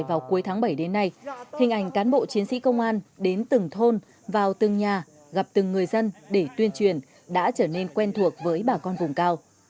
vào cuối tháng bảy đến nay hình ảnh cán bộ chiến sĩ công an đến từng thôn vào từng nhà gặp từng người dân để tuyên truyền đã trở nên quen thuộc với bà con vùng cao